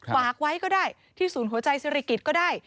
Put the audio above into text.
ฝากไว้ก็ได้ที่ศูนย์หัวใจศิริกิจก็ได้